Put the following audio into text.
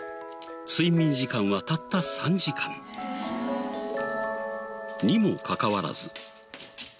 睡眠時間はたった３時間。にもかかわらず。